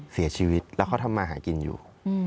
เสียชีวิตแล้วเขาทำมาหากินอยู่